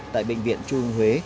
tại bệnh viện trung an huế